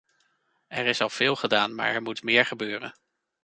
Er is al veel gedaan, maar er moet meer gebeuren.